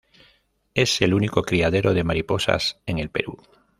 Es el único criadero de mariposas en el Perú.